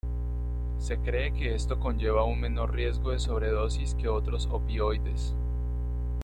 Se cree que esto conlleva un menor riesgo de sobredosis que otros opioides.